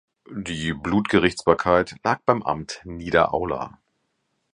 Die Blutgerichtsbarkeit lag beim Amt Niederaula.